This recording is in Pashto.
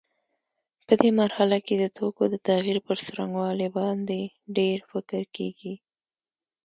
په دې مرحله کې د توکو د تغییر پر څرنګوالي باندې ډېر فکر کېږي.